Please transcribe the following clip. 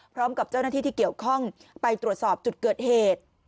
พร้อมกับเจ้าหน้าที่ที่เกี่ยวข้องไปตรวจสอบจุดเกิดเหตุ